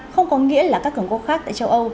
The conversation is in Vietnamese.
không có nghĩa là các cường quốc khác tại châu âu